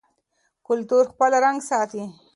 کلتور خپل رنګ ساتي.